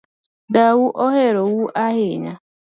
Dau ohero u ahinya